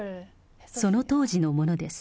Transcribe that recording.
その当時のものです。